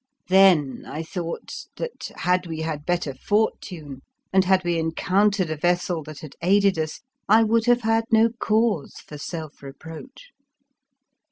Then I thought that, had we had better for tune, and had we encountered a vessel that had aided us, I would have had no cause for self reproach.